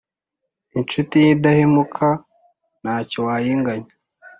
Incuti y’indahemuka nta cyo wayinganya